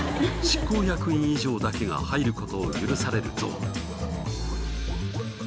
執行役員以上だけが入ることを許されるゾーン。